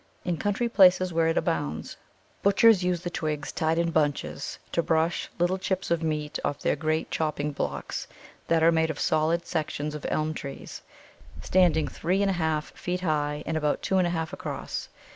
In country places where it abounds, butchers use the twigs tied in bunches to brush the little chips of meat off their great chopping blocks, that are made of solid sections of elm trees, standing three and a half feet high and about two and a half feet across.